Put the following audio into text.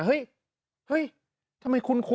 เฮ้ยทำไมคุ้นอ่ะ